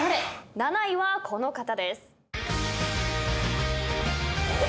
７位はこの方です。